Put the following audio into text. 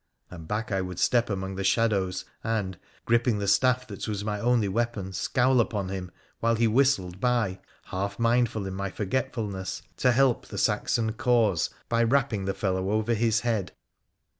' And back I would step among the shadows, and, gripping the staff that was my only weapon, scowl on him while he whistled. by, half mindful, in my forgetfulness, to help the Saxon cause K 130 WONDERFUL ADVENTURES OP by rapping the fellow over his head.